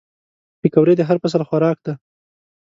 پکورې د هر فصل خوراک دي